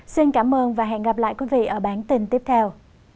xin cảm ơn và hẹn gặp lại quý vị ở bản tin tiếp theo